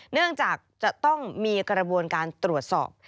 เนื่องจากจะต้องมีกระบวนการตรวจสอบ